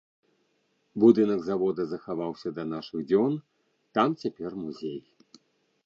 Будынак завода захаваўся да нашых дзён, там цяпер музей.